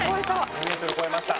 ２ｍ超えました。